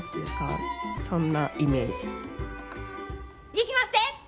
いきまっせ！